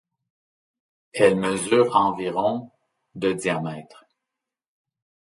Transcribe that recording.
Elle mesure environ de diamètre.